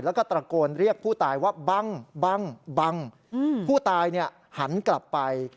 แล้วก็ตะโกนเรียกผู้ตายว่าบังบังผู้ตายหันกลับไป